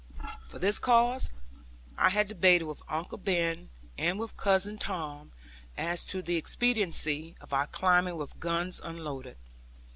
For this cause, I had debated with Uncle Ben and with Cousin Tom as to the expediency of our climbing with guns unloaded.